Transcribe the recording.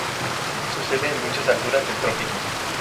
Sucede en muchas alturas del trópico...